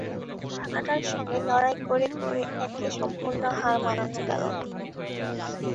এই ফাঁকাটার সঙ্গে লড়াই করে করে একে সম্পূর্ণ হার মানানো গেল না।